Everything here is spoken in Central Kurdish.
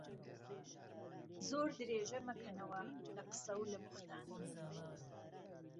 زۆر درێژه مهکهنهوه له قسه و له بوختانە